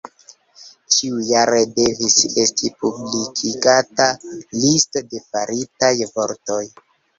Ĉiujare devis esti publikigata listo de faritaj vortoj.